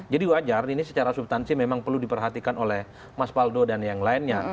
jadi wajar ini secara subtansi memang perlu diperhatikan oleh mas paldo dan yang lainnya